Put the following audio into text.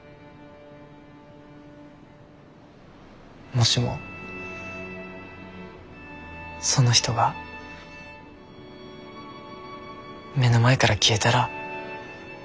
もしもその人が目の前から消えたら。